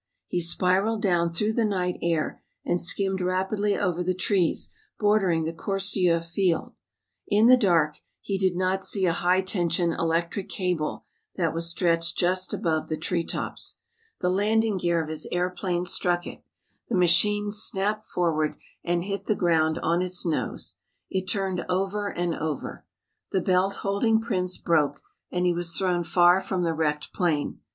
He spiraled down through the night air and skimmed rapidly over the trees bordering the Corcieux field. In the dark he did not see a high tension electric cable that was stretched just above the tree tops. The landing gear of his airplane struck it. The machine snapped forward and hit the ground on its nose. It turned over and over. The belt holding Prince broke and he was thrown far from the wrecked plane.